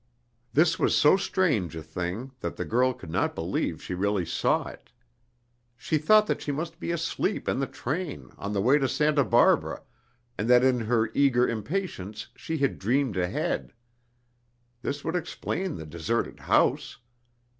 This was so strange a thing, that the girl could not believe she really saw it. She thought that she must be asleep in the train, on the way to Santa Barbara, and that in her eager impatience she had dreamed ahead. This would explain the deserted house.